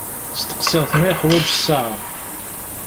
Steqsiɣ-t ma yeḥwaǧ ssaεa.